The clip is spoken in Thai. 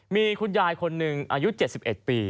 มีคุณยายคนหนึ่งอายุ๗๑ปี